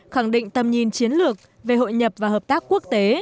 khẳng định tầm nhìn chiến lược về hội nhập và hợp tác quốc tế